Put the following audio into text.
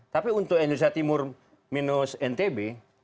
tapi untuk indonesia timur minus ntb